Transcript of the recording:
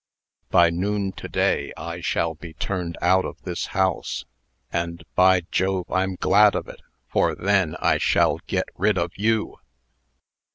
By noon to day I shall be turned out of this house. And, by Jove! I'm glad of it, for then I shall get rid of you."